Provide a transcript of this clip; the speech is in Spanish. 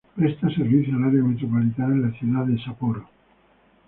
Presta servicio al área metropolitana de la ciudad de Sapporo.